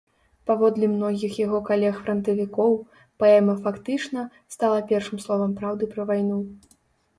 Паводле многіх яго калег-франтавікоў, паэма фактычна, стала першым словам праўды пра вайну.